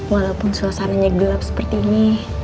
walaupun suasananya gelap seperti ini